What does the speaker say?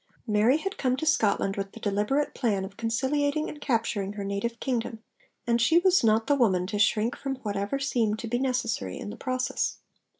Mary had come to Scotland with the deliberate plan of conciliating and capturing her native kingdom, and she was not the woman to shrink from whatever seemed to be necessary in the process.